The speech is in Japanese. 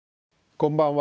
こんばんは。